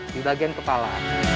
di bagian kepala